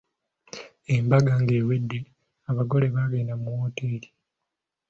Embaga ng'ewedde, abagole baagenda mu wooteri.